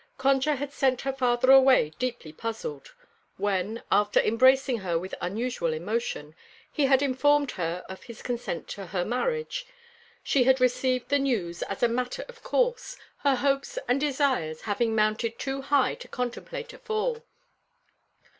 Concha had sent her father away deeply puzzled. When, after embracing her with unusual emotion, he had informed her of his consent to her marriage, she had received the news as a matter of course, her hopes and desires having mounted too high to contemplate a fall.